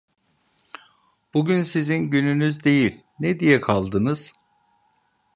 Bugün sizin gününüz değil, ne diye kaldınız?